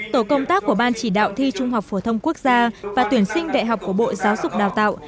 tổ công tác của ban chỉ đạo thi trung học phổ thông quốc gia và tuyển sinh đại học của bộ giáo dục đào tạo